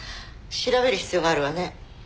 調べる必要があるわね。